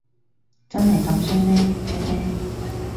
真係咁衰咩，家姐？